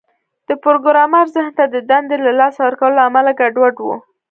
د پروګرامر ذهن د دندې د لاسه ورکولو له امله ګډوډ و